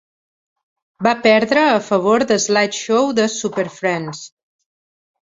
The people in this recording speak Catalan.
Va perdre a favor d'"Slide Show" de Superfriendz.